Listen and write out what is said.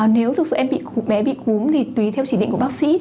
nếu thực sự em bị bé bị cúm thì tùy theo chỉ định của bác sĩ